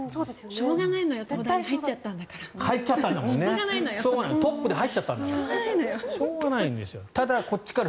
しょうがないよねトップで入っちゃったんだから。